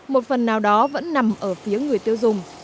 một phần nào đó vẫn nằm ở phía người tiêu dùng